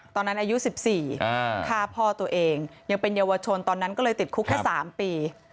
ตอนนั้นอายุ๑๔ฆ่าพ่อตัวเองยังเป็นเยาวชนตอนนั้นก็เลยติดคุกแค่๓ปี